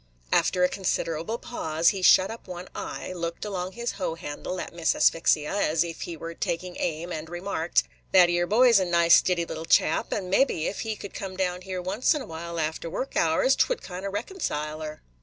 After a considerable pause, he shut up one eye, looked along his hoe handle at Miss Asphyxia, as if he were taking aim, and remarked, "That 'ere boy 's a nice, stiddy little chap; and mebbe, if he could come down here once and a while after work hours, 't would kind o' reconcile her."